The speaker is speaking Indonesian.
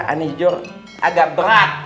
ane jor agak berat